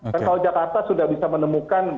kan kalau jakarta sudah bisa menemukan